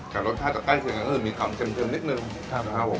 แต่รสชาติจะใกล้เกินกับอื่นมีความเช็มเช็มนิดหนึ่งครับครับผม